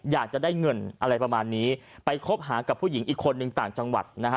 อยากจะได้เงินอะไรประมาณนี้ไปคบหากับผู้หญิงอีกคนนึงต่างจังหวัดนะฮะ